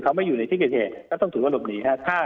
ก็ต้องถือว่าหลบหนี